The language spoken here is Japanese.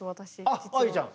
あっ愛理ちゃん。